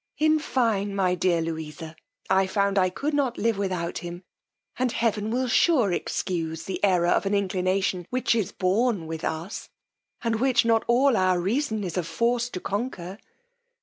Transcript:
In fine, my dear Louisa, I found I could not live without him; and heaven will sure excuse the error of an inclination which is born with us, and which not all our reason is of force to conquer.